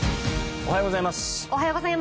おはようございます。